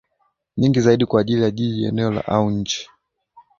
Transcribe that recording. nyingi zaidi kwa ajili ya jiji eneo au nchi